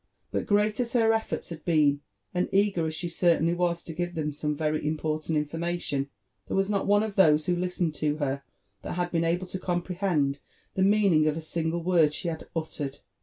But great as her eflbrls had beeui and eager as she certainly was to give them some very important ia^* fbmation, there was not one of those who listened to her that bad been able to comprehend the meaning of a single word she had ut tered.